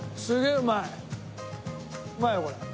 うまいよこれ。